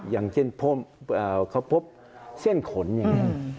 อย่างเช่นเขาพบเส้นขนอย่างนี้